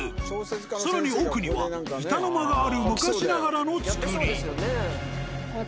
更に奥には板の間がある昔ながらの造り。